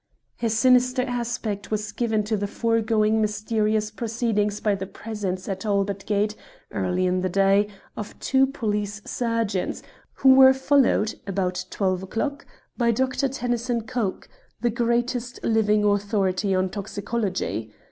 "A sinister aspect was given to the foregoing mysterious proceedings by the presence at Albert Gate, early in the day, of two police surgeons, who were followed, about twelve o'clock, by Dr. Tennyson Coke, the greatest living authority on toxicology.